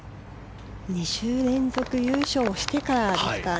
２週連続優勝してからですから。